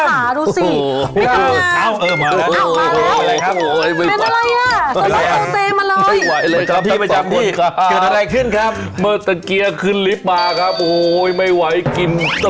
อ๋อหมายนิต